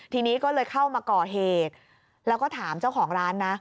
ทีนี้ก็เลยเข้ามาก่อเหตุแล้วก็ถามเจ้าของร้านนะ